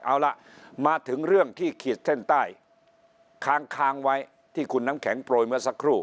เอาล่ะมาถึงเรื่องที่ขีดเส้นใต้ค้างไว้ที่คุณน้ำแข็งโปรยเมื่อสักครู่